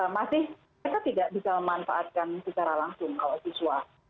masih mereka tidak bisa memanfaatkan secara langsung kalau siswa